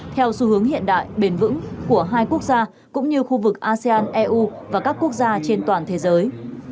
theo xu hướng hiện đại bền vững của hai quốc gia cũng như khu vực asean eu và các quốc gia trên toàn thế giới